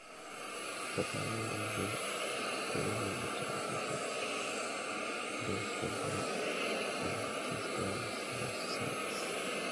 The town of Bloomington is served by Omnitrans bus service.